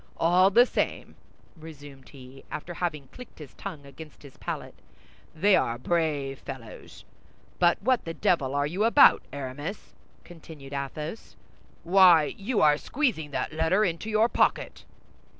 All the same," resumed he, after having clicked his tongue against his palate, "they are brave fellows! But what the devil are you about, Aramis?" continued Athos. "Why, you are squeezing that letter into your pocket!"